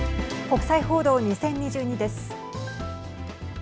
国際報道２０２２です。